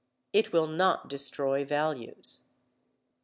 It will not destroy values.